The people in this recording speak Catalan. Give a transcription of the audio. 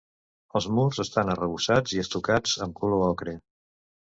Els murs estan arrebossats i estucats amb color ocre.